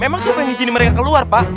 emang siapa yang izini mereka keluar pak